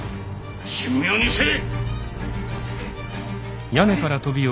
神妙にせい！